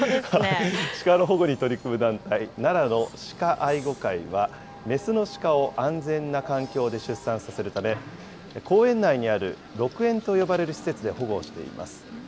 シカの保護に取り組む団体、奈良の鹿愛護会は、雌のシカを安全な環境で出産させるため、公園内にある鹿苑と呼ばれる施設で保護をしています。